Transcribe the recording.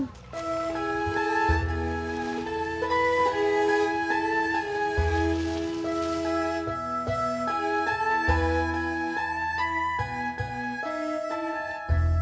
masuk ke kamar